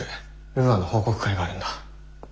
ウーアの報告会があるんだ。